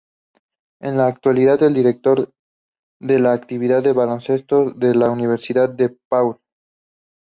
En la actualidad es director de actividades de baloncesto de la Universidad DePaul.